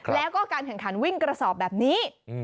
แล้วก็การแข่งขันวิ่งกระสอบแบบนี้